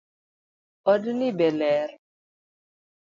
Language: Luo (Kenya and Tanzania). Od ni be ler?